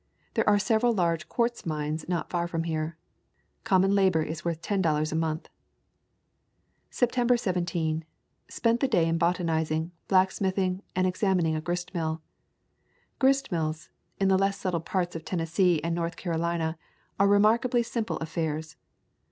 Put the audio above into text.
There are several large quartz mills not far from here. Common labor is worth ten dollars a month. September 17. Spent the day in botanizing, blacksmithing, and examining a grist mill. Grist mills, in the less settled parts of Tennes see and North Carolina, are remarkably simple affairs.